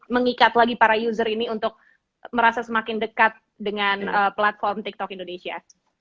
mengikat lagi para user ini untuk merasa semakin dekat dengan platform tiktok indonesia